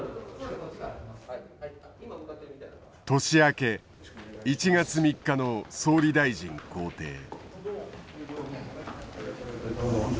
年明け１月３日の総理大臣公邸。